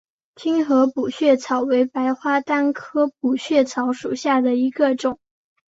精河补血草为白花丹科补血草属下的一个种。